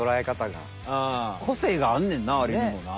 ああ個性があんねんなアリにもな。